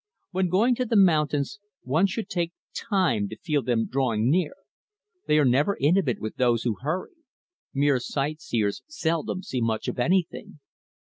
When going to the mountains, one should take time to feel them drawing near. They are never intimate with those who hurry. Mere sight seers seldom see much of anything.